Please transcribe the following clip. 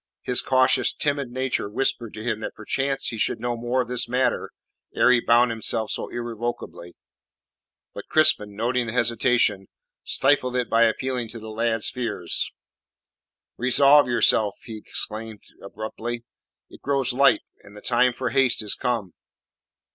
His cautious, timid nature whispered to him that perchance he should know more of this matter ere he bound himself so irrevocably. But Crispin, noting the hesitation, stifled it by appealing to the lad's fears. "Resolve yourself," he exclaimed abruptly. "It grows light, and the time for haste is come."